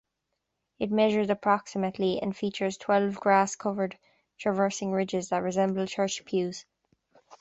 It measures approximately and features twelve grass covered traversing ridges that resemble church pews.